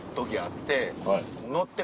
って。